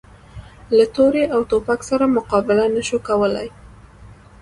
له تورې او توپک سره مقابله نه شو کولای.